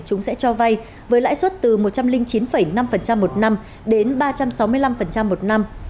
chúng sẽ cho vay với lãi suất từ một trăm linh chín năm một năm đến ba trăm sáu mươi năm một năm